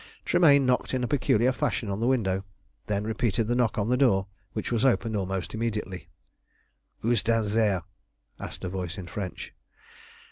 Tremayne knocked in a peculiar fashion on the window, and then repeated the knock on the door, which was opened almost immediately. "Who stands there?" asked a voice in French.